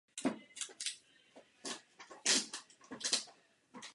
Narodil se ve městečku Port Jefferson ve státě New York.